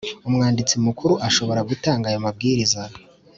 Umwanditsi Mukuru ashobora gutanga ayo mabwiriza